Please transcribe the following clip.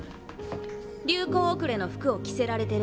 流行後れの服を着せられてる。